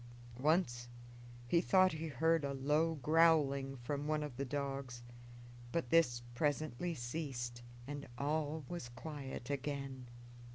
Once he thought he heard a low growling from one of the dogs, but this presently ceased, and all was quiet again.